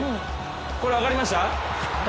これ分かりました？